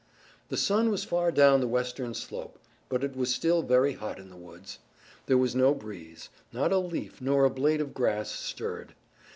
The sun was far down the westward slope, but it was still very hot in the woods. There was no breeze. Not a leaf, nor a blade of grass stirred.